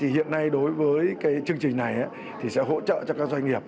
hiện nay đối với chương trình này sẽ hỗ trợ cho các doanh nghiệp